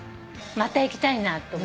また行きたいなと。